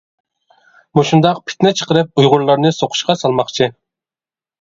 مۇشۇنداق پىتنە چىقىرىپ ئۇيغۇرلارنى سۇقۇشقا سالماقچى.